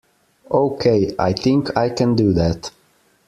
Okay, I think I can do that.